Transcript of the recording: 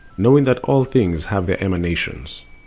Knowing that all things have their emanations.